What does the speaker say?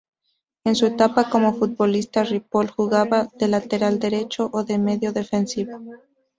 En su etapa como futbolista, Ripoll jugaba de lateral derecho o de medio defensivo.